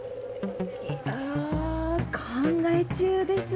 あ考え中です。